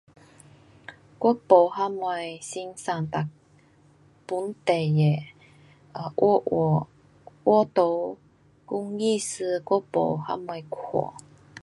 我没什么欣赏哒，本地的画画，画图，工艺师我没什么看。